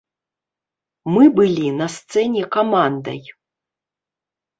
Мы былі на сцэне камандай.